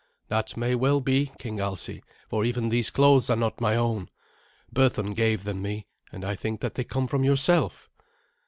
"That may well be, King Alsi, for even these clothes are not my own. Berthun gave them me, and I think that they come from yourself."